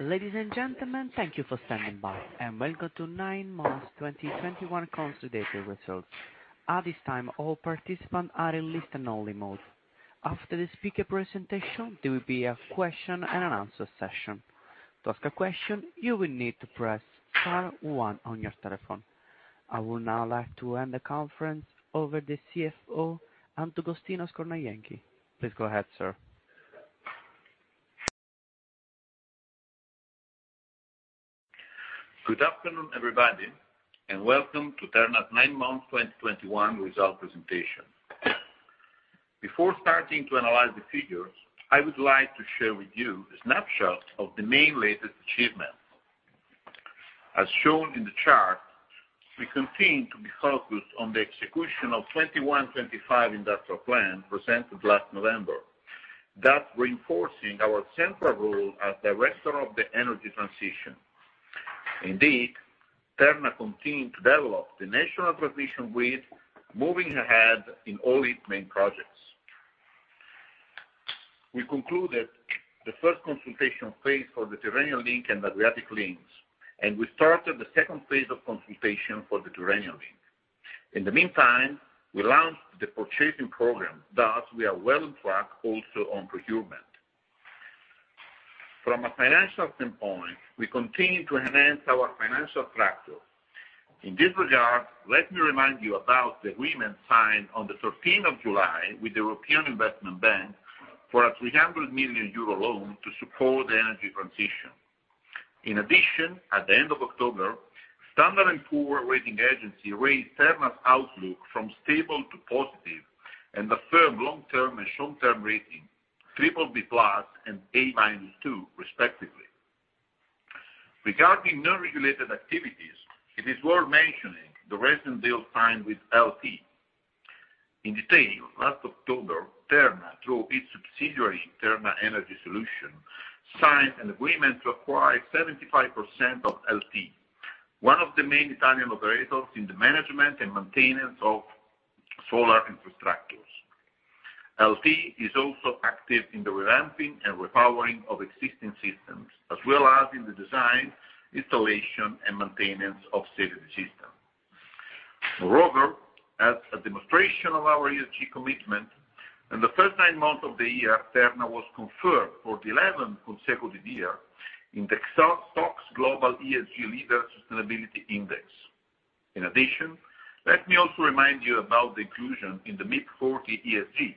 Ladies and gentlemen, thank you for standing by, and welcome to nine months 2021 consolidated results. At this time, all participants are in listen-only mode. After the speaker presentation, there will be a question-and-answer session. To ask a question, you will need to press star one on your telephone. I would now like to hand the conference over to the CFO, Agostino Scornajenchi. Please go ahead, sir. Good afternoon, everybody, and welcome to Terna's nine months 2021 result presentation. Before starting to analyze the figures, I would like to share with you a snapshot of the main latest achievement. As shown in the chart, we continue to be focused on the execution of 2021-2025 Industrial Plan presented last November, thus reinforcing our central role as director of the energy transition. Indeed, Terna continue to develop the national transition with moving ahead in all its main projects. We concluded the first consultation phase for the Tyrrhenian Link and Adriatic Link, and we started the second phase of consultation for the Tyrrhenian Link. In the meantime, we launched the purchasing program, thus we are well on track also on procurement. From a financial standpoint, we continue to enhance our financial track record. In this regard, let me remind you about the agreement signed on the 13 of July with the European Investment Bank for a 300 million euro loan to support the energy transition. In addition, at the end of October, Standard & Poor's rating agency raised Terna's outlook from stable to positive and affirmed long-term and short-term ratings BBB+ and A-2, respectively. Regarding non-regulated activities, it is worth mentioning the recent deal signed with LT. In detail, last October, Terna, through its subsidiary, Terna Energy Solutions, signed an agreement to acquire 75% of LT, one of the main Italian operators in the management and maintenance of solar infrastructures. LT is also active in the revamping and repowering of existing systems, as well as in the design, installation, and maintenance of safety system. Moreover, as a demonstration of our ESG commitment, in the first nine months of the year, Terna was confirmed for the eleventh consecutive year Global ESG Leader Sustainability Index. In addition, let me also remind you about the inclusion in the MIB 40 ESG,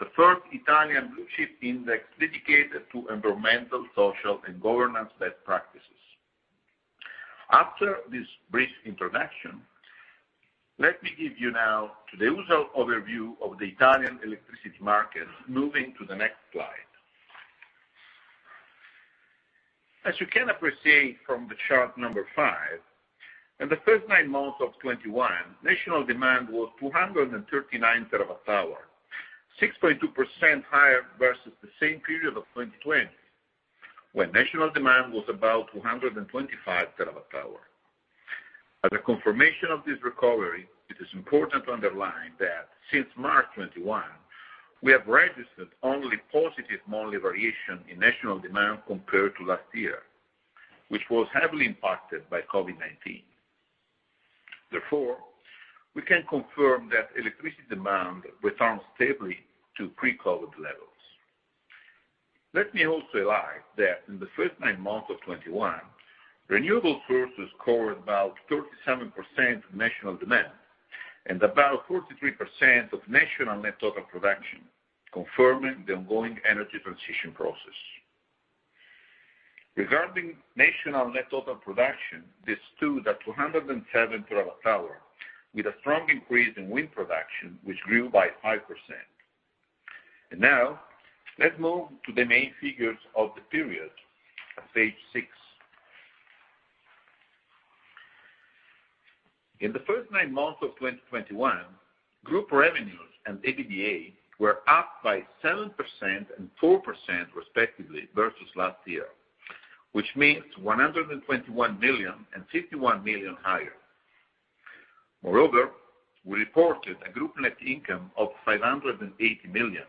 the first Italian blue-chip index dedicated to environmental, social, and governance best practices. After this brief introduction, let me now turn to the usual overview of the Italian electricity market, moving to the next slide. As you can appreciate from the chart number five, in the first nine months of 2021, national demand was 239 TWh, 6.2% higher versus the same period of 2020, when national demand was about 225 TWh. As a confirmation of this recovery, it is important to underline that since March 2021, we have registered only positive monthly variation in national demand compared to last year, which was heavily impacted by COVID-19. Therefore, we can confirm that electricity demand returns stably to pre-COVID levels. Let me also highlight that in the first nine months of 2021, renewable sources covered about 37% of national demand and about 43% of national net total production, confirming the ongoing energy transition process. Regarding national net total production, this stood at 207 TWh with a strong increase in wind production, which grew by 5%. Now, let's move to the main figures of the period on page six. In the first nine months of 2021, group revenues and EBITDA were up by 7% and 4%, respectively, versus last year, which means 121 million and 51 million higher. Moreover, we reported a group net income of 580 million,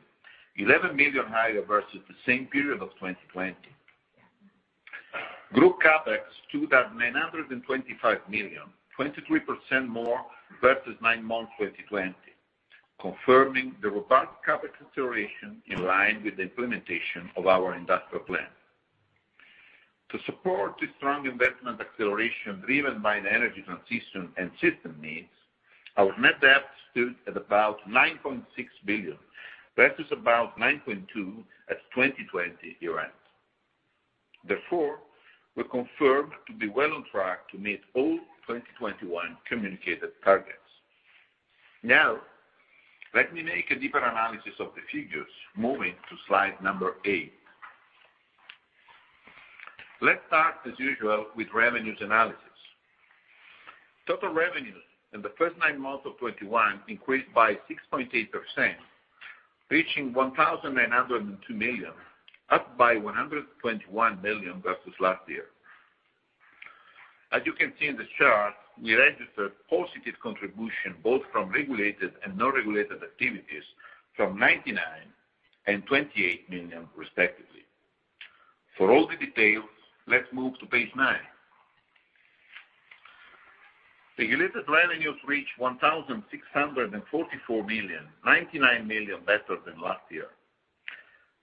11 million higher versus the same period of 2020. Group CapEx stood at 925 million, 23% more versus nine months 2020, confirming the robust CapEx acceleration in line with the implementation of our industrial plan. To support this strong investment acceleration driven by an energy transition and system needs, our net debt stood at about 9.6 billion versus about 9.2 billion at 2020 year-end. Therefore, we're confirmed to be well on track to meet all 2021 communicated targets. Now, let me make a deeper analysis of the figures, moving to slide eight. Let's start as usual with revenues analysis. Total revenues in the first nine months of 2021 increased by 6.8%, reaching 1,902 million, up by 121 million versus last year. As you can see in the chart, we registered positive contribution both from regulated and non-regulated activities from 99 million and 28 million respectively. For all the details, let's move to page nine. Regulated revenues reached 1,644 million, 99 million better than last year.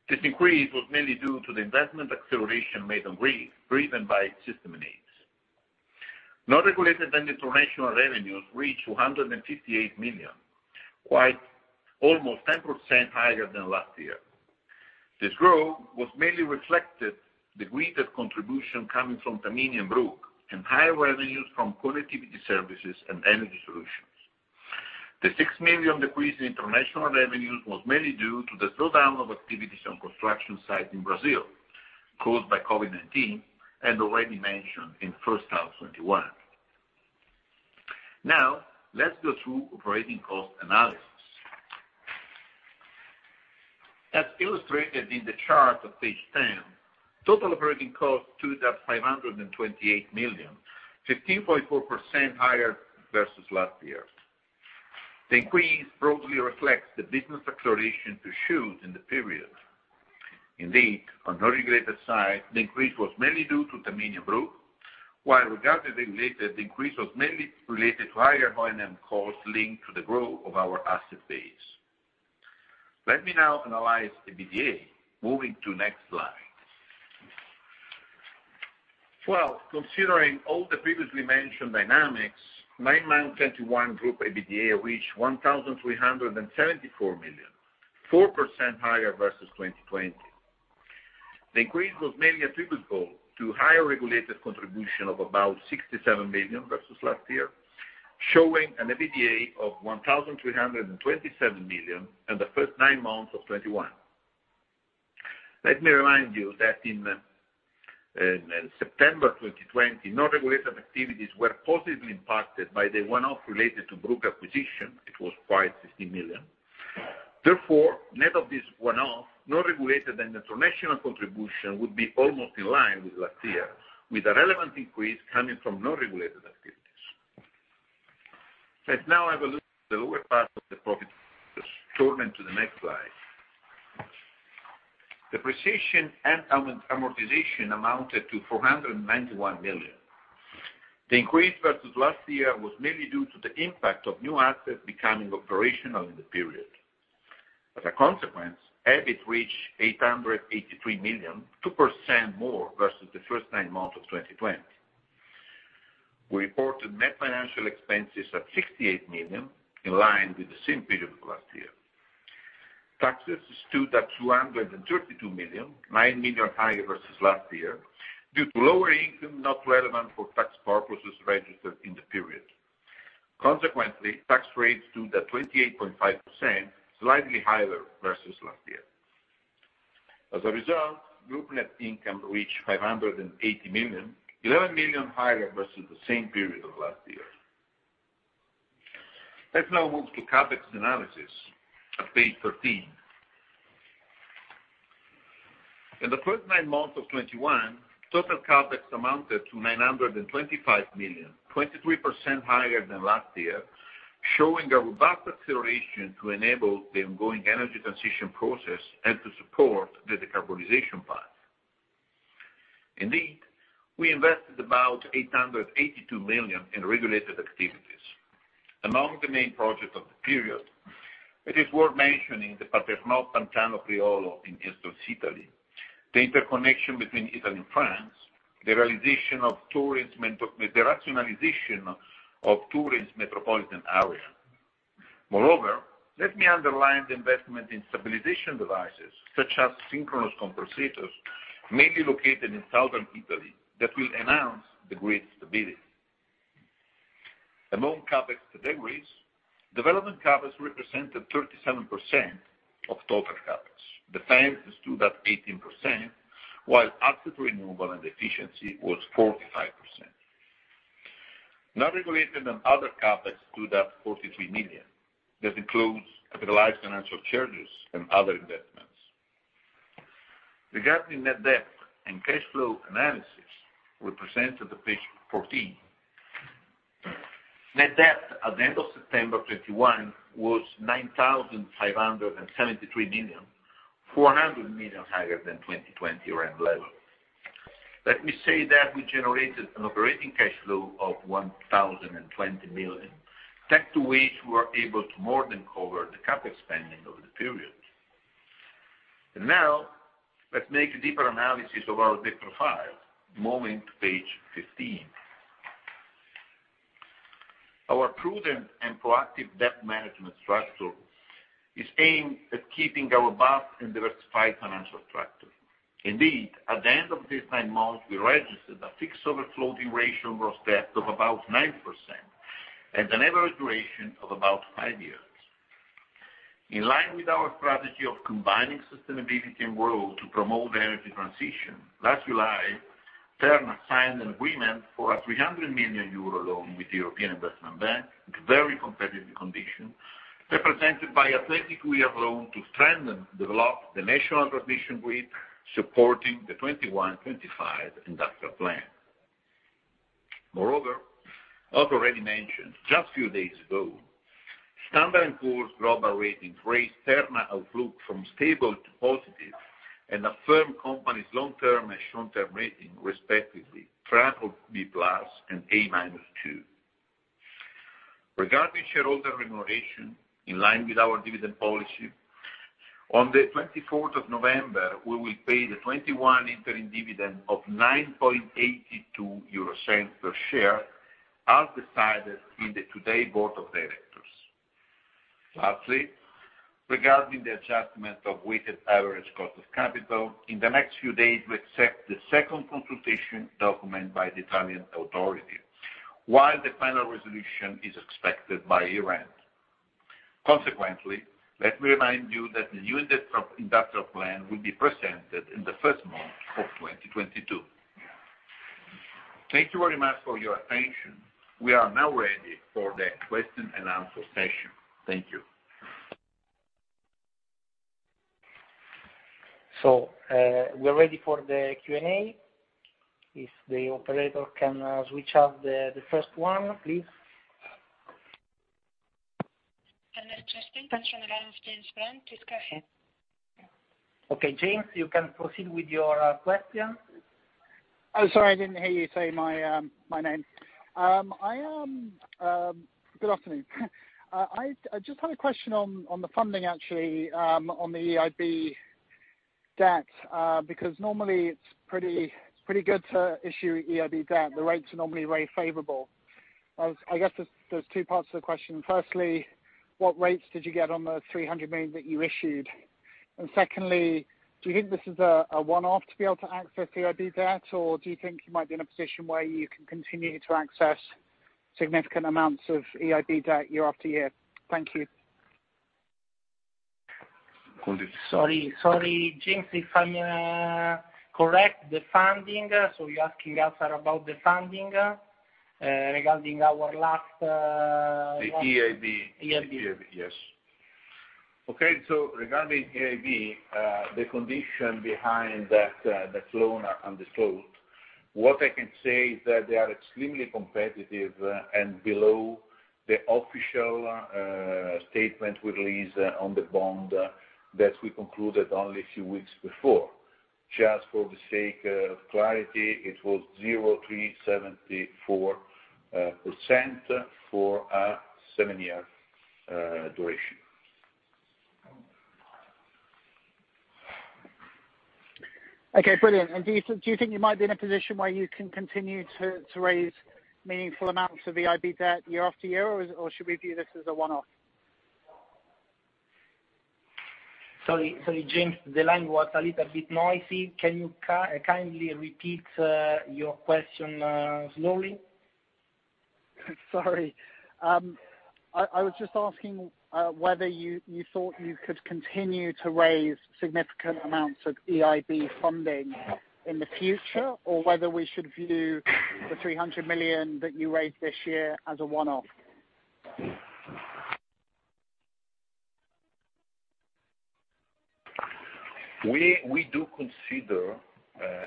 This increase was mainly due to the investment acceleration made on Grid, driven by system needs. Non-regulated and international revenues reached 258 million, quite almost 10% higher than last year. This growth was mainly reflected in the greater contribution coming from Tamini Group, and higher revenues from connectivity services and energy solutions. The 6 million decrease in international revenues was mainly due to the slowdown of activities on construction sites in Brazil, caused by COVID-19, and already mentioned in first half 2021. Now, let's go through operating cost analysis. As illustrated in the chart of page 10, total operating costs stood at 528 million, 15.4% higher versus last year. The increase broadly reflects the business acceleration pursued in the period. Indeed, on non-regulated side, the increase was mainly due to Tamini Group, while regarding regulated, the increase was mainly related to higher volume costs linked to the growth of our asset base. Let me now analyze the EBITDA, moving to next slide. Well, considering all the previously mentioned dynamics, first nine months 2021 group EBITDA reached 1,374 million, 4% higher versus 2020. The increase was mainly attributable to higher regulated contribution of about 67 million versus last year, showing an EBITDA of 1,327 million in the first nine months of 2021. Let me remind you that in September 2020, non-regulated activities were positively impacted by the one-off related to Brugg acquisition. It was 560 million. Therefore, net of this one-off, non-regulated and international contribution would be almost in line with last year, with a relevant increase coming from non-regulated activities. Let's now have a look at the lower part of the profit statement to the next slide. Depreciation and amortization amounted to 491 million. The increase versus last year was mainly due to the impact of new assets becoming operational in the period. As a consequence, EBIT reached 883 million, 2% more versus the first nine months of 2020. We reported net financial expenses at 68 million, in line with the same period of last year. Taxes stood at 232 million, 9 million higher versus last year, due to lower income not relevant for tax purposes registered in the period. Consequently, tax rates stood at 28.5%, slightly higher versus last year. As a result, group net income reached 580 million, 11 million higher versus the same period of last year. Let's now move to CapEx analysis at page 13. In the first nine months of 2021, total CapEx amounted to 925 million, 23% higher than last year, showing a robust acceleration to enable the ongoing energy transition process and to support the decarbonization path. Indeed, we invested about 882 million in regulated activities. Among the main projects of the period, it is worth mentioning the Paternò-Pantano-Priolo in eastern Sicily, the interconnection between Italy and France, the rationalization of Turin's metropolitan area. Moreover, let me underline the investment in stabilization devices, such as synchronous compensators, mainly located in southern Italy, that will enhance the grid stability. Among CapEx categories, development CapEx represented 37% of total CapEx. Defense stood at 18%, while asset renewal and efficiency was 45%. Non-regulated and other CapEx stood at 43 million. That includes capitalized financial charges and other investments. Regarding net debt and cash flow analysis, we turn to page 14. Net debt at the end of September 2021 was 9,573 million, 400 million higher than 2020 year-end level. Let me say that we generated an operating cash flow of 1,020 million, thanks to which we were able to more than cover the CapEx spending over the period. Now, let's make a deeper analysis of our debt profile, moving to page 15. Our prudent and proactive debt management structure is aimed at keeping our vast and diversified financial structure. Indeed, at the end of these nine months, we registered a fixed over floating ratio gross debt of about 9% and an average duration of about five years. In line with our strategy of combining sustainability and growth to promote the energy transition, last July, Terna signed an agreement for a 300 million euro loan with the European Investment Bank at very competitive conditions, represented by a 22-year loan to strengthen, develop the national transmission grid, supporting the 2021-2025 Industrial Plan. Moreover, as already mentioned, just a few days ago, Standard & Poor Global Ratings raised Terna's outlook from stable to positive and affirmed the company's long-term and short-term ratings respectively at BBB+ and A-2. Regarding shareholder remuneration, in line with our dividend policy, on 24th of November, we will pay the 2021 interim dividend of 0.0982 per share, as decided in today's Board of Directors. Lastly, regarding the adjustment of weighted average cost of capital, in the next few days, we expect the second consultation document by the Italian authority, while the final resolution is expected by year end. Consequently, let me remind you that the new index of industrial plan will be presented in the first month of 2022. Thank you very much for your attention. We are now ready for the question-and-answer session. Thank you. We are ready for the Q&A. If the operator can switch off the first one, please. Our first question comes from the line of James Brand, please go ahead. Okay, James, you can proceed with your question. Oh, sorry, I didn't hear you say my name. Good afternoon. I just had a question on the funding actually, on the EIB debt, because normally it's pretty good to issue EIB debt. The rates are normally very favorable. I guess there's two parts to the question. Firstly, what rates did you get on the 300 million that you issued? Secondly, do you think this is a one-off to be able to access EIB debt? Or do you think you might be in a position where you can continue to access significant amounts of EIB debt year after year? Thank you. Sorry, James, if I may correct the funding. You're asking us about the funding, regarding our last... The EIB. EIB. The EIB, yes. Okay, regarding EIB, the conditions behind that loan are undisclosed. What I can say is that they are extremely competitive and below the official statement we released on the bond that we concluded only a few weeks before. Just for the sake of clarity, it was 0.374% for a seven-year duration. Okay, brilliant. Do you think you might be in a position where you can continue to raise meaningful amounts of EIB debt year after year, or should we view this as a one-off? Sorry. Sorry, James, the line was a little bit noisy. Can you kindly repeat your question slowly? Sorry. I was just asking whether you thought you could continue to raise significant amounts of EIB funding in the future, or whether we should view the 300 million that you raised this year as a one-off? We do consider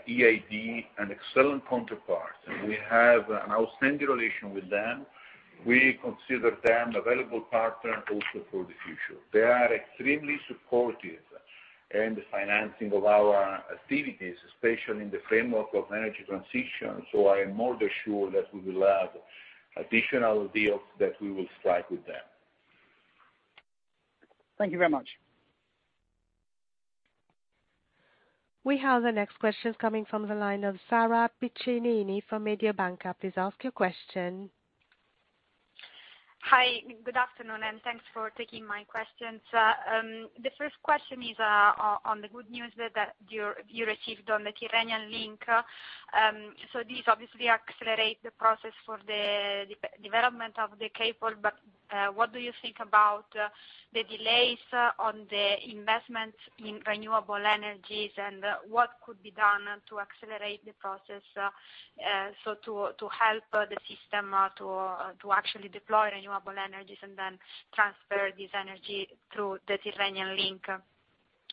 EIB an excellent counterparty, and we have an outstanding relation with them. We consider them a valuable partner also for the future. They are extremely supportive in the financing of our activities, especially in the framework of energy transition. I am more assured that we will have additional deals that we will strike with them. Thank you very much. We have the next question coming from the line of Sara Piccinini from Mediobanca. Please ask your question. Hi, good afternoon, and thanks for taking my questions. The first question is on the good news that you received on the Tyrrhenian Link. So this obviously accelerate the process for the development of the cable, but what do you think about the delays in the investment in renewable energies and what could be done to accelerate the process so to help the system to actually deploy renewable energies and then transfer this energy through the Tyrrhenian Link?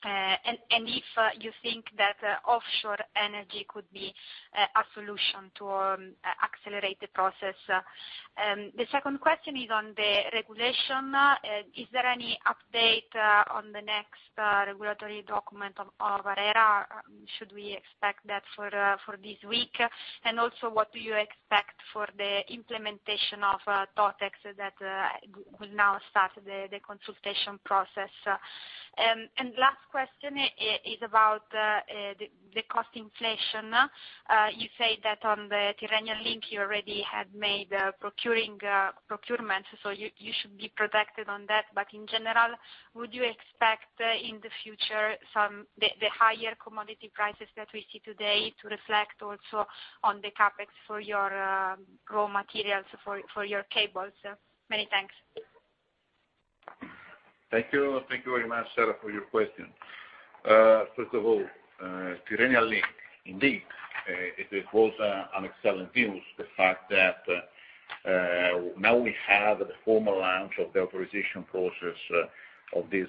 If you think that offshore energy could be a solution to accelerate the process. The second question is on the regulation. Is there any update on the next regulatory document of ARERA? Should we expect that for this week? Also, what do you expect for the implementation of TOTEX that will now start the consultation process? Last question is about the cost inflation. You said that on the Tyrrhenian Link you already had made a procurement, so you should be protected on that. In general, would you expect in the future some of the higher commodity prices that we see today to reflect also on the CapEx for your raw materials for your cables? Many thanks. Thank you very much, Sara, for your question. First of all, Tyrrhenian Link, indeed, it was an excellent news, the fact that now we have the formal launch of the authorization process of this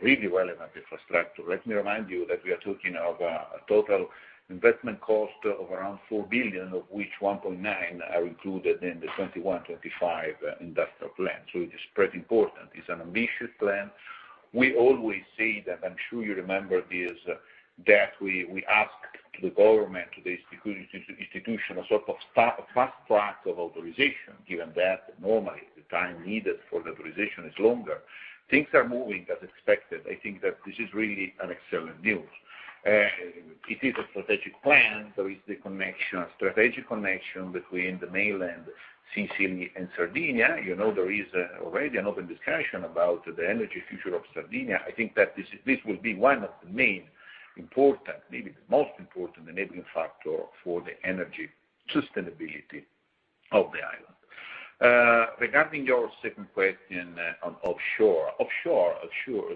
really relevant infrastructure. Let me remind you that we are talking of a total investment cost of around 4 billion, of which 1.9 billion are included in the 2021-2025 Industrial Plan. It is pretty important. It is an ambitious plan. We always say that, I am sure you remember this, that we ask to the government, to the institution, a sort of fast track of authorization, given that normally the time needed for the authorization is longer. Things are moving as expected. I think that this is really an excellent news. It is a strategic plan. There is the connection, strategic connection between the mainland, Sicily and Sardinia. You know, there is already an open discussion about the energy future of Sardinia. I think that this will be one of the main important, maybe the most important enabling factor for the energy sustainability of the island. Regarding your second question on offshore. Offshore,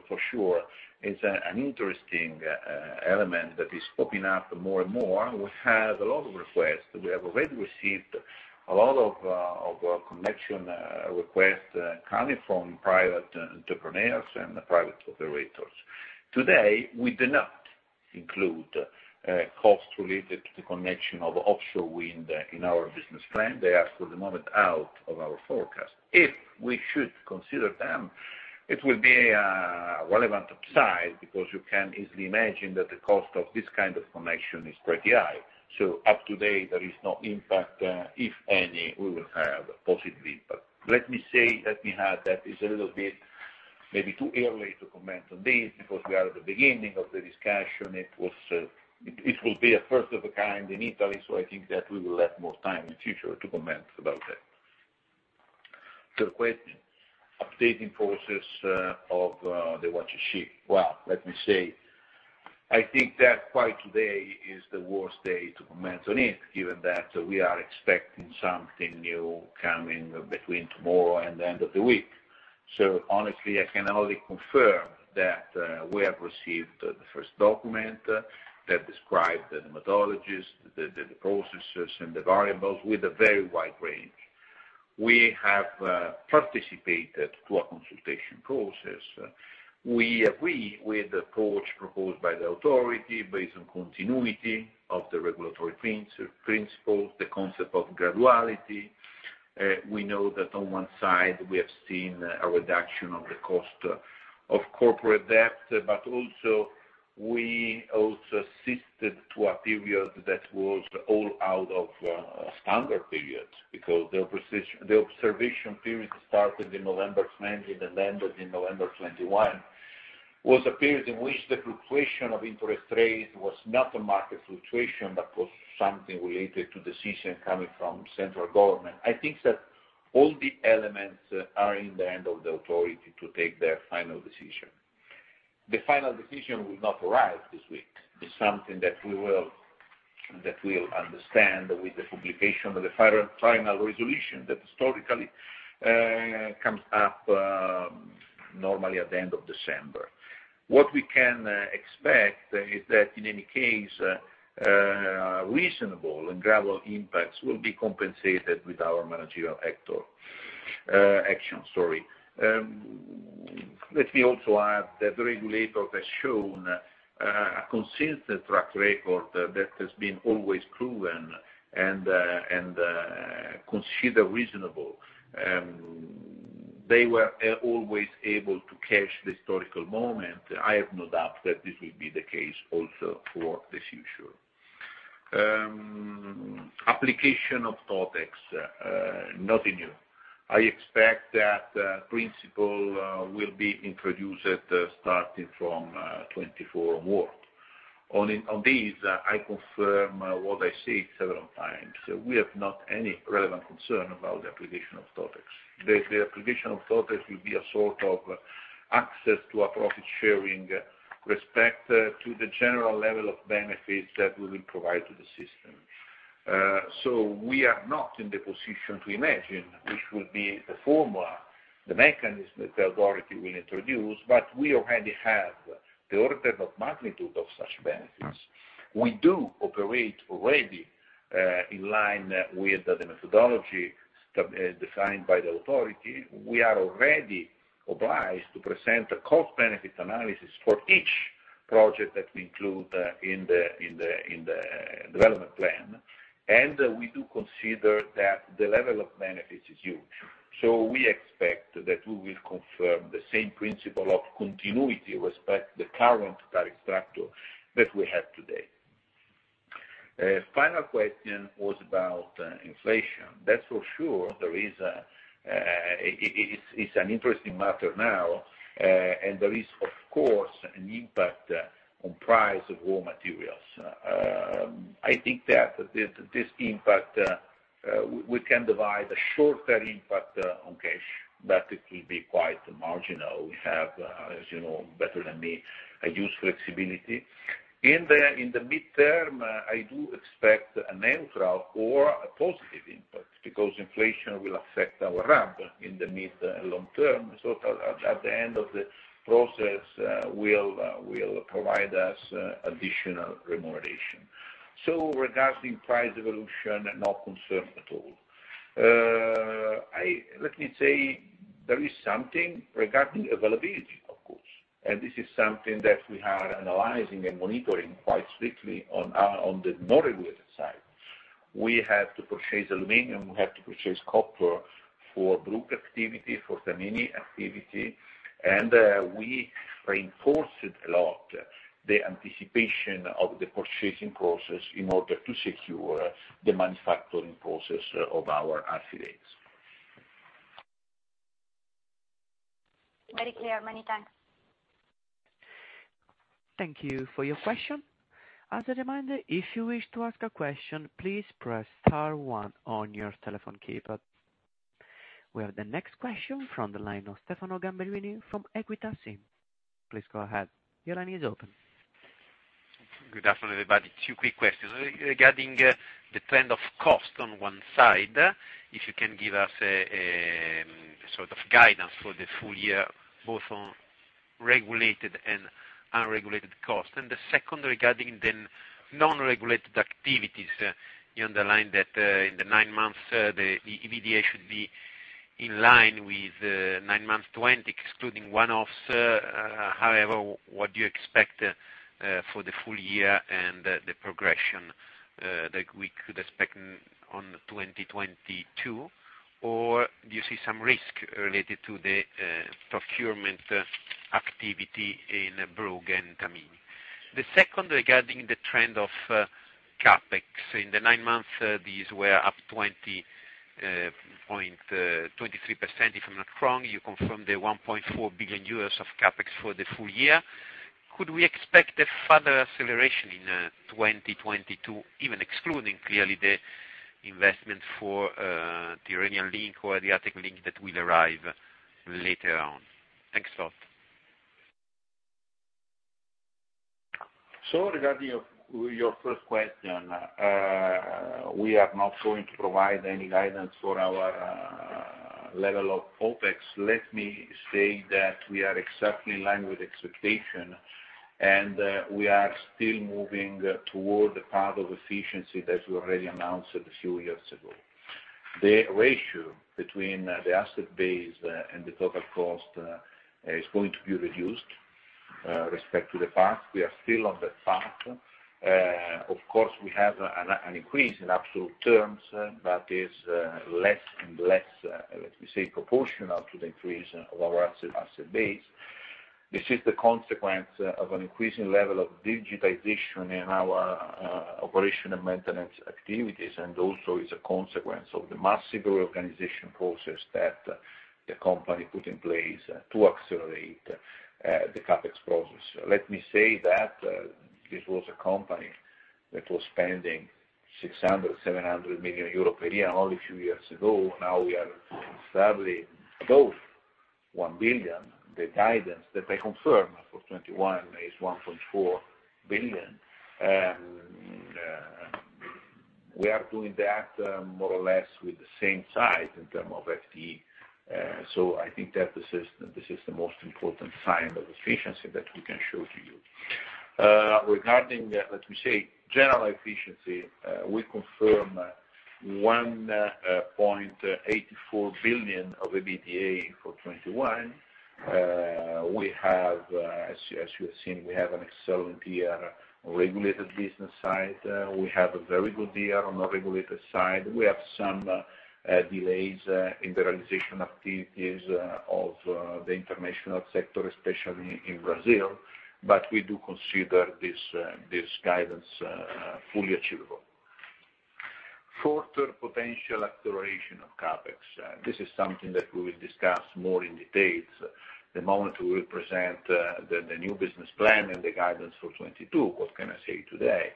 for sure, is an interesting element that is popping up more and more. We have a lot of requests. We have already received a lot of connection requests coming from private entrepreneurs and private operators. Today, we do not include costs related to the connection of offshore wind in our business plan. They are for the moment out of our forecast. If we should consider them, it will be relevant upside because you can easily imagine that the cost of this kind of connection is pretty high. Up to date, there is no impact, if any, we will have possibly. Let me say that is a little bit maybe too early to comment on this because we are at the beginning of the discussion. It will be a first of a kind in Italy, so I think that we will have more time in the future to comment about that. Third question, updating process of the WACC. Well, let me say, I think that today is the worst day to comment on it, given that we are expecting something new coming between tomorrow and the end of the week. Honestly, I can only confirm that we have received the first document that described the methodologies, the processes and the variables with a very wide range. We have participated to a consultation process. We agree with the approach proposed by the authority based on continuity of the regulatory principles, the concept of graduality. We know that on one side we have seen a reduction of the cost of corporate debt, but also we assisted to a period that was all out of standard periods because the observation period started in November 2020 and ended in November 2021, was a period in which the fluctuation of interest rates was not a market fluctuation, but was something related to decision coming from central government. I think that all the elements are in the hand of the authority to take their final decision. The final decision will not arrive this week. It's something that we'll understand with the publication of the final resolution that historically comes up normally at the end of December. What we can expect is that in any case, reasonable and gradual impacts will be compensated with our managerial action. Let me also add that the regulator has shown a consistent track record that has been always proven and considered reasonable. They were always able to catch the historical moment. I have no doubt that this will be the case also for the future. Application of TOTEX, nothing new. I expect that principle will be introduced starting from 2024 onward. On this, I confirm what I said several times. We have not any relevant concern about the application of TOTEX. The application of TOTEX will be a sort of access to a profit-sharing respect to the general level of benefits that we will provide to the system. We are not in the position to imagine which will be the formula, the mechanism that the authority will introduce, but we already have the order of magnitude of such benefits. We do operate already in line with the methodology designed by the authority. We are already obliged to present a cost benefit analysis for each project that we include in the development plan. We do consider that the level of benefits is huge. We expect that we will confirm the same principle of continuity with the current tariff structure that we have today. Final question was about inflation. That's for sure, there is. It's an interesting matter now, and there is of course an impact on price of raw materials. I think that this impact we can divide a short-term impact on cash, but it will be quite marginal. We have, as you know better than me, a huge flexibility. In the midterm, I do expect a neutral or a positive input, because inflation will affect our RAB in the mid long term. At the end of the process, will provide us additional remuneration. Regarding price evolution, not concerned at all. Let me say there is something regarding availability, of course, and this is something that we are analyzing and monitoring quite strictly on the non-regulated side. We have to purchase aluminum, we have to purchase copper for Brugg activity, for Tamini activity, and we reinforced a lot the anticipation of the purchasing process in order to secure the manufacturing process of our affiliates. Very clear. Many thanks. Thank you for your question. As a reminder, if you wish to ask a question, please press star one on your telephone keypad. We have the next question from the line of Stefano Gamberini from Equita SIM. Please go ahead. Your line is open. Good afternoon, everybody. Two quick questions. Regarding the trend of cost on one side, if you can give us, sort of guidance for the full year, both on regulated and unregulated costs. The second regarding then non-regulated activities, you underline that, in the nine months, the EBITDA should be in line with, nine months 2020, excluding one-offs. However, what do you expect, for the full year and the progression, that we could expect on 2022? Or do you see some risk related to the, procurement activity in Brugg and Tamini? The second, regarding the trend of, CapEx. In the nine months, these were up 20.23%, if I'm not wrong. You confirmed the 1.4 billion euros of CapEx for the full year. Could we expect a further acceleration in 2022, even excluding clearly the investment for Tyrrhenian Link or Adriatic Link that will arrive later on? Thanks a lot. Regarding your first question, we are not going to provide any guidance for our level of OpEx. Let me say that we are exactly in line with expectation, and we are still moving toward the path of efficiency that we already announced a few years ago. The ratio between the asset base and the total cost is going to be reduced with respect to the past. We are still on that path. Of course, we have an increase in absolute terms that is less and less, let me say, proportional to the increase of our asset base. This is the consequence of an increasing level of digitization in our operation and maintenance activities, and also is a consequence of the massive reorganization process that the company put in place to accelerate the CapEx process. Let me say that this was a company that was spending 600 million-700 million euro per year only a few years ago. Now we are firmly above 1 billion. The guidance that I confirm for 2021 is 1.4 billion. We are doing that more or less with the same size in term of FTE, so I think that this is the most important sign of efficiency that we can show to you. Regarding, let me say, general efficiency, we confirm 1.84 billion of EBITDA for 2021. We have, as you have seen, we have an excellent year regulated business side. We have a very good year on the regulated side. We have some delays in the realization of TPs of the international sector, especially in Brazil, but we do consider this guidance fully achievable. Further potential acceleration of CapEx. This is something that we will discuss more in detail the moment we will present the new business plan and the guidance for 2022. What can I say today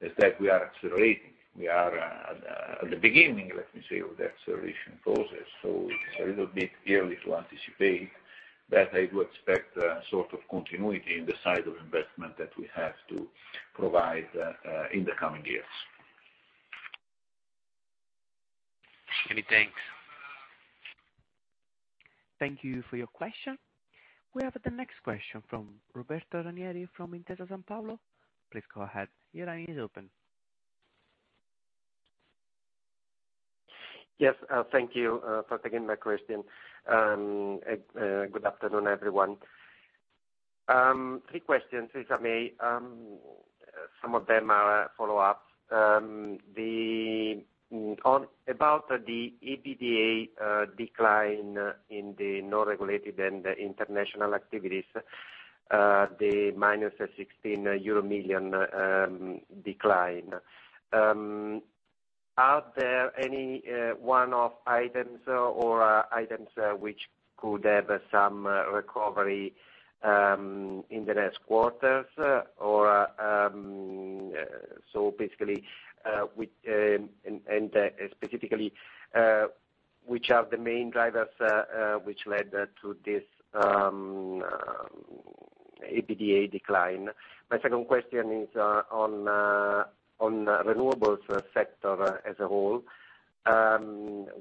is that we are accelerating. We are at the beginning, let me say, of the acceleration process, so it's a little bit early to anticipate, but I do expect a sort of continuity in the size of investment that we have to provide in the coming years. Many thanks. Thank you for your question. We have the next question from Roberto Ranieri from Intesa Sanpaolo. Please go ahead. Your line is open. Yes. Thank you for taking my question. Good afternoon, everyone. Three questions, if I may. Some of them are follow-ups. The EBITDA decline in the non-regulated and the international activities, the -16 million euro decline. Are there any one-off items or items which could have some recovery in the next quarters or so basically and specifically which are the main drivers which led to this EBITDA decline? My second question is on the renewables sector as a whole.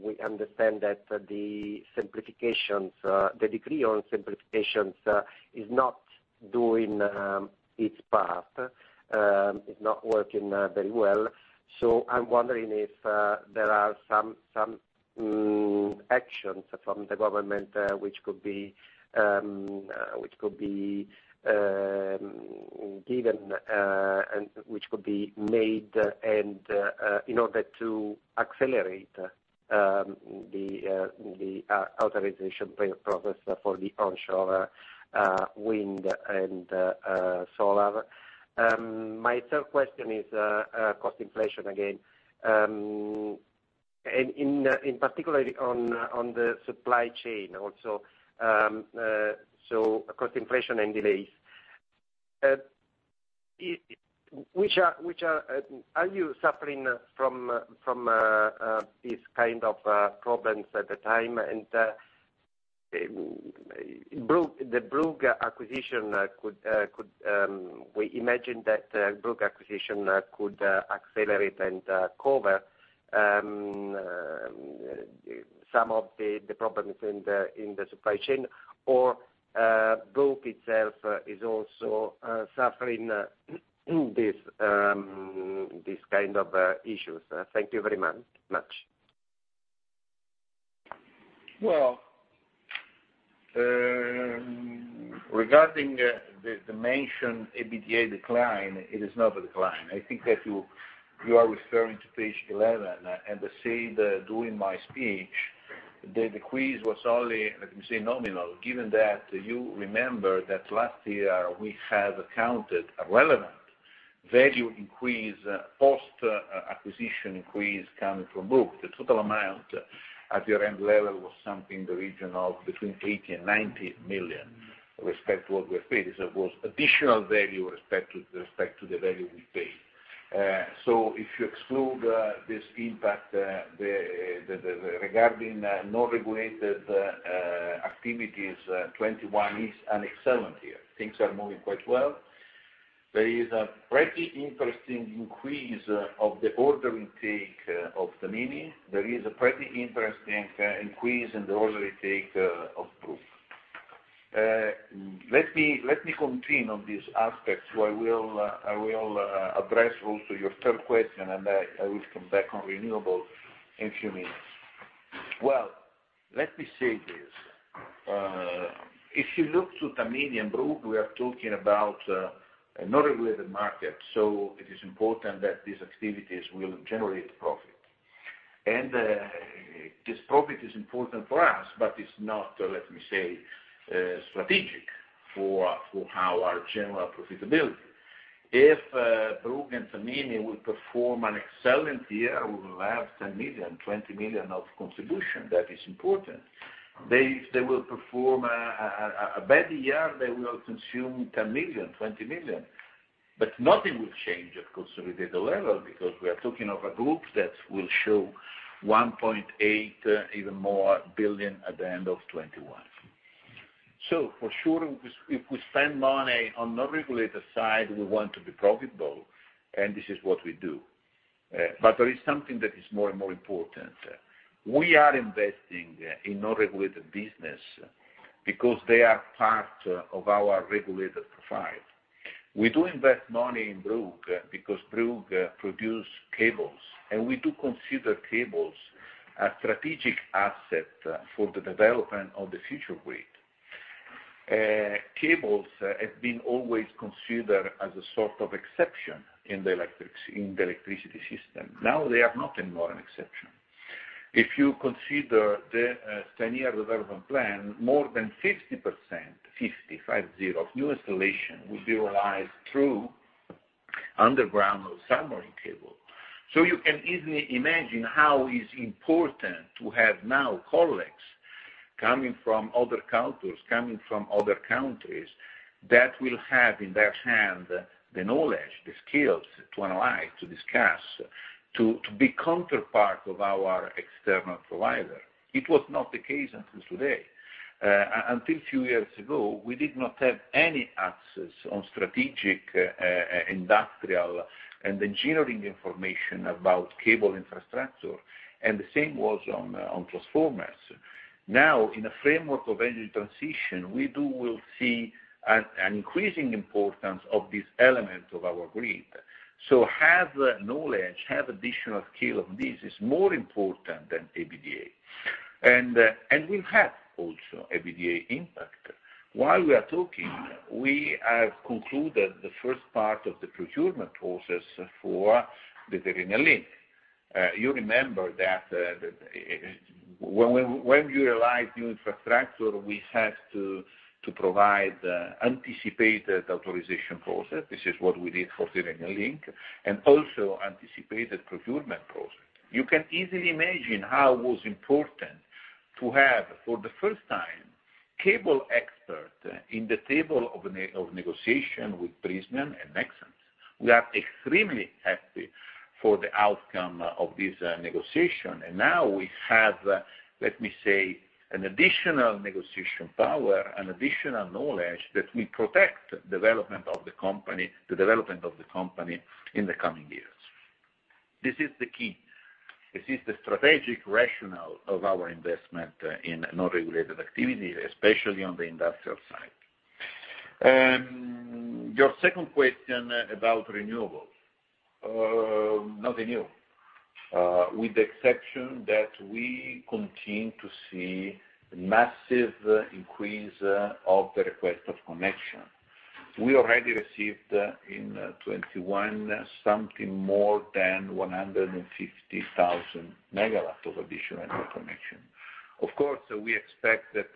We understand that the simplifications, the decree on simplifications, is not doing its path, is not working very well. I'm wondering if there are some actions from the government which could be given and made in order to accelerate the authorization process for the onshore wind and solar. My third question is cost inflation again. In particular on the supply chain also, cost inflation and delays. Are you suffering from these kind of problems at the time? Brugg, the Brugg acquisition could, we imagine that Brugg acquisition could accelerate and cover some of the problems in the supply chain, or Brugg itself is also suffering these kind of issues. Thank you very much. Well, regarding the mentioned EBITDA decline, it is not a decline. I think that you are referring to page 11, and I said during my speech, the decrease was only, let me say, nominal, given that you remember that last year we have accounted a relevant value increase, post acquisition increase coming from Brugg. The total amount at the end level was something in the region of between 80 million and 90 million, respect to what we paid. It was additional value respect to the value we paid. So if you exclude this impact, the regarding non-regulated activities, 2021 is an excellent year. Things are moving quite well. There is a pretty interesting increase of the order intake of Tamini. There is a pretty interesting increase in the order intake of Brugg. Let me continue on these aspects. I will address also your third question, and I will come back on renewables in a few minutes. Well, let me say this. If you look to Tamini and Brugg, we are talking about an unregulated market, so it is important that these activities will generate profit. This profit is important for us, but it's not, let me say, strategic for how our general profitability. If Brugg and Tamini will perform an excellent year, we will have 10 million, 20 million of contribution. That is important. They will perform a bad year, they will consume 10 million, 20 million. Nothing will change, of course, from data level, because we are talking of a group that will show 1.8 billion, even more, at the end of 2021. For sure, if we spend money on non-regulated side, we want to be profitable, and this is what we do. There is something that is more and more important. We are investing in non-regulated business because they are part of our regulated profile. We do invest money in Brugg because Brugg produce cables, and we do consider cables a strategic asset for the development of the future grid. Cables have been always considered as a sort of exception in the electricity system. Now they are not anymore an exception. If you consider the 10-year development plan, more than 60%, 550 new installation will be realized through underground or submarine cable. You can easily imagine how it's important to have now colleagues coming from other cultures, coming from other countries, that will have in their hand the knowledge, the skills to analyze, to discuss, to be counterpart of our external provider. It was not the case until today. Until a few years ago, we did not have any access on strategic industrial and engineering information about cable infrastructure, and the same was on transformers. Now, in a framework of energy transition, we will see an increasing importance of these elements of our grid. Have the knowledge, have additional skill of this is more important than EBITDA. We have also EBITDA impact. While we are talking, we have concluded the first part of the procurement process for the Tyrrhenian Link. You remember that when you realize new infrastructure, we have to provide anticipated authorization process. This is what we did for Tyrrhenian Link, and also anticipated procurement process. You can easily imagine how it was important to have, for the first time, cable expert in the table of negotiation with Prysmian and Nexans. We are extremely happy for the outcome of this negotiation. Now we have, let me say, an additional negotiation power and additional knowledge that will protect development of the company in the coming years. This is the key. This is the strategic rationale of our investment in non-regulated activity, especially on the industrial side. Your second question about renewables. Nothing new, with the exception that we continue to see massive increase of the requests for connection. We already received, in 2021, something more than 150,000 MW of additional connection. Of course, we expect that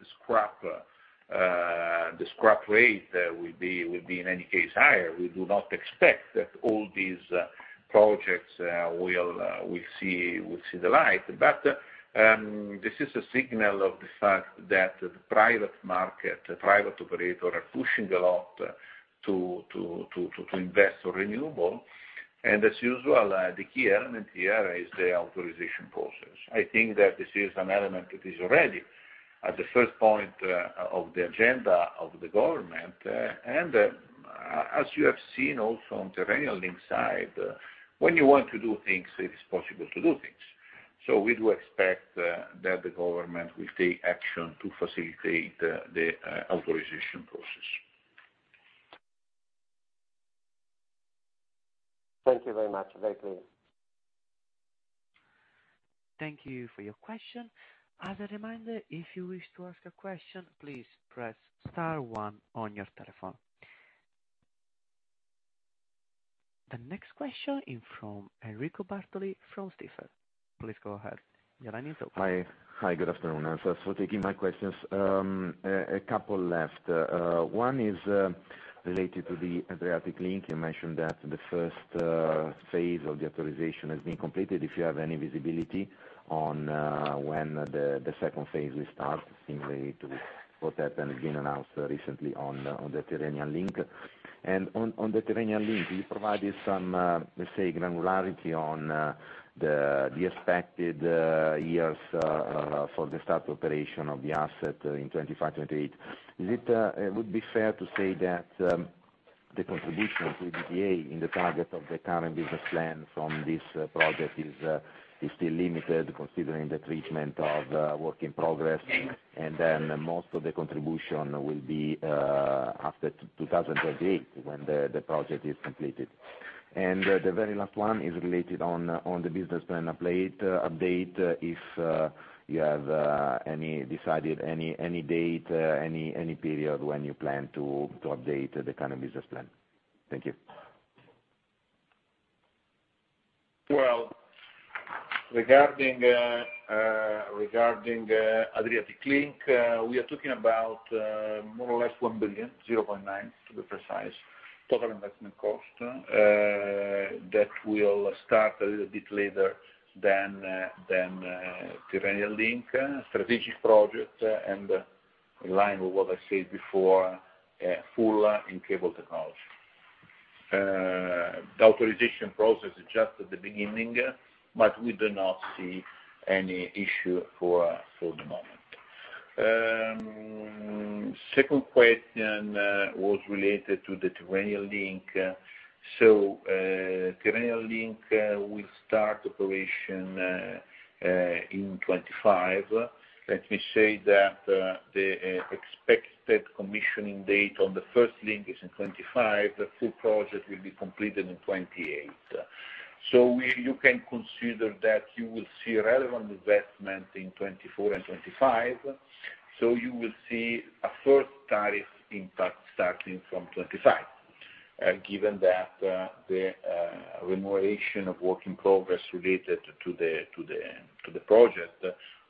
the scrap rate will be in any case higher. We do not expect that all these projects will see the light. This is a signal of the fact that the private market, private operator are pushing a lot to invest in renewables. As usual, the key element here is the authorization process. I think that this is an element that is already at the first point of the agenda of the government. As you have seen also on Tyrrhenian Link side, when you want to do things, it is possible to do things. We do expect that the government will take action to facilitate the authorization process. Thank you very much. Very clear. Thank you for your question. As a reminder, if you wish to ask a question, please press star one on your telephone. The next question is from Enrico Bartoli from Stifel. Please go ahead. Hi. Good afternoon. Thanks for taking my questions. A couple left. One is related to the Adriatic Link. You mentioned that the first phase of the authorization has been completed. If you have any visibility on when the second phase will start, similarly to what has been announced recently on the Tyrrhenian Link. On the Tyrrhenian Link, you provided some, let's say, granularity on the expected years for the start of operation of the asset in 2025-2028. Would it be fair to say that the contribution to EBITDA in the target of the current business plan from this project is still limited considering the treatment of work in progress, and then most of the contribution will be after 2028 when the project is completed. The very last one is related to the business plan update, if you have already decided on any date, any period when you plan to update the current business plan. Thank you. Well, regarding Adriatic Link, we are talking about more or less 1 billion, 0.9 billion to be precise, total investment cost that will start a little bit later than Tyrrhenian Link. Strategic project, and in line with what I said before, fully in cable technology. The authorization process is just at the beginning, but we do not see any issue for the moment. Second question was related to the Tyrrhenian Link. Tyrrhenian Link will start operation in 2025. Let me say that the expected commissioning date on the first link is in 2025. The full project will be completed in 2028. You can consider that you will see relevant investment in 2024 and 2025, so you will see a first tariff impact starting from 2025. Given that, the remuneration of work in progress related to the project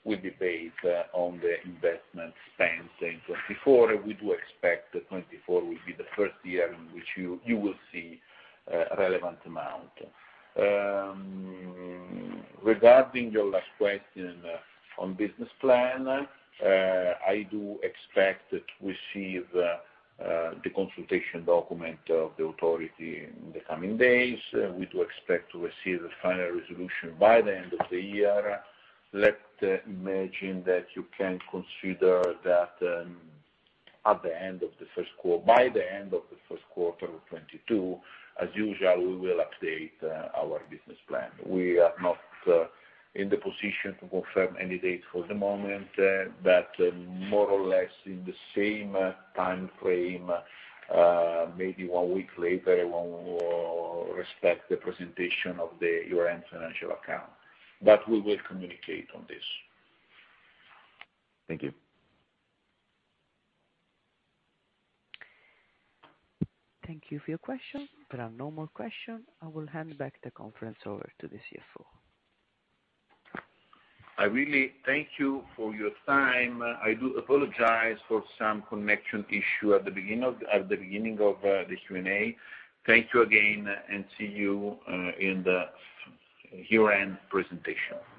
will be based on the investment spent in 2024. We do expect that 2024 will be the first year in which you will see relevant amount. Regarding your last question on business plan, I do expect to receive the consultation document of the authority in the coming days. We do expect to receive the final resolution by the end of the year. Let's imagine that you can consider that, at the end of the first quarter. By the end of the first quarter of 2022, as usual, we will update our business plan. We are not in the position to confirm any date for the moment, but more or less in the same time frame, maybe one week later, we will respect the presentation of the year-end financial account. We will communicate on this. Thank you. Thank you for your question. There are no more questions. I will hand back the conference over to the CFO. I really thank you for your time. I do apologize for some connection issue at the beginning of the Q&A. Thank you again, and see you in the year-end presentation. Goodbye.